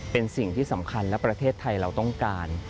เป็นสิ่งที่สำคัญและประเทศไทยเราต้องการ